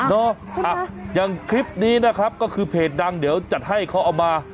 เนาะอย่างคลิปนี้นะครับก็คือเพจดังเดี๋ยวจัดให้เขาเอามา